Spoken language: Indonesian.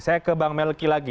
saya ke bang melki lagi